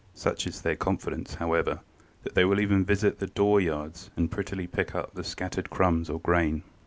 Such is their confidence, however, that they will even visit the dooryards and prettily pick up the scattered crumbs or grain.